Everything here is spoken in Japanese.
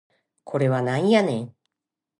これはなんやねん